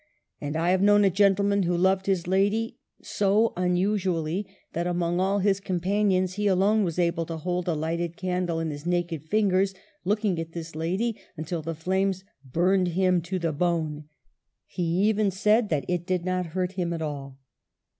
And I have known a gentleman who loved his lady so unusually, that among all his companions he alone was able to hold a lighted candle in his naked fingers, looking at his lady until the flame burned him to the bone ; he even said that it did not hurt him at all."